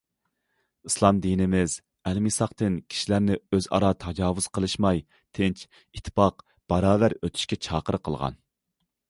ئىسلام دىنىمىز ئەلمىساقتىن كىشىلەرنى ئۆزئارا تاجاۋۇز قىلىشماي تىنچ، ئىتتىپاق، باراۋەر ئۆتۈشكە چاقىرىق قىلغان.